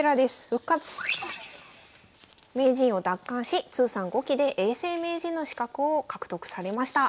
名人を奪還し通算５期で永世名人の資格を獲得されました。